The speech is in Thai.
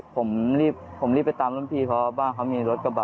ผมรีบไปตามลำพีเพราะว่าบ้านเขามีรถกระบะ